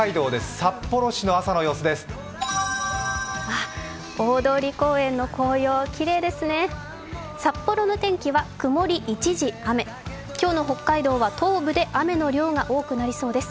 札幌の天気は曇り一時雨、今日の北海道は東部で雨の量が多くなりそうです。